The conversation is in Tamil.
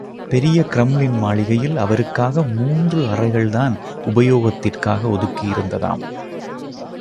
பெரிய கிரம்லின் மாளிகையில் அவருக்காக மூன்று அறைகள் தான் உபயோகத்திற்காக ஒதுக்கியிருந்ததாம்.